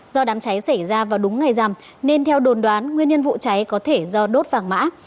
do đám cháy xảy ra vào đúng ngày rằm nên theo đồn đoán nguyên nhân vụ cháy có thể do đốt vàng mã